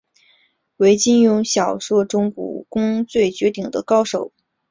为金庸小说中武功最绝顶的高手之一。